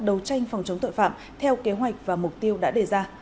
đấu tranh phòng chống tội phạm theo kế hoạch và mục tiêu đã đề ra